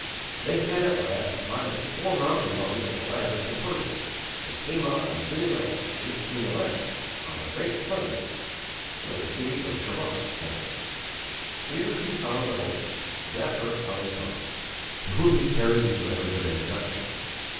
They had at last climbed the four mountain rungs of the ladder to Persia, and came out on June 11th, 1811, on the great plain where the city of Shiraz stands. Here he found the host Jaffir Ali Khan, to whom he carried his letters of introduction.